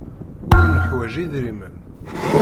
Ur neḥwaj idrimen.